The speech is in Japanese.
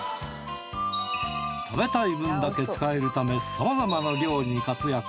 食べたい分だけ使えるためさまざまな料理に活躍。